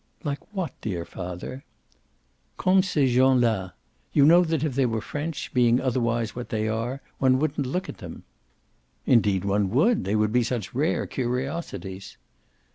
"Like what, dear father?" "Comme ces gens la. You know that if they were French, being otherwise what they are, one wouldn't look at them." "Indeed one would; they would be such rare curiosities."